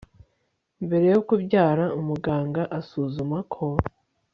mbere yo kubyara umuganga asuzuma ko